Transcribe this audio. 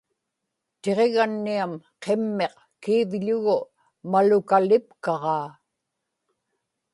tiġiganniam qimmiq kiivḷugu malukalipkaġaa